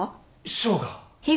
翔が！？